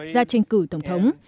ra tranh cử tổng thống